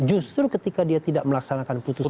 justru ketika dia tidak melaksanakan putusan